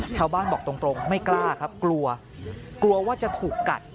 ชาวบ้านบอกตรงไม่กล้าครับกลัวกลัวว่าจะถูกกัด